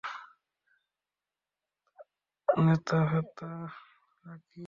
নেতা-ফেতা না কি?